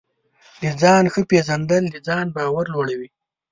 د ځان ښه پېژندل د ځان باور لوړوي.